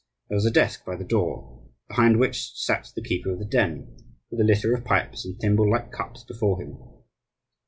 There was a desk by the door, behind which sat the keeper of the den, with a litter of pipes and thimble like cups before him.